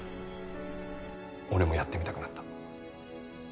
俺もやってみたくなった。